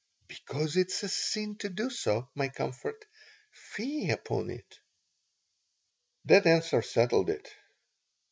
"Because it is a sin to do so, my comfort. Fie upon it!" This answer settled it.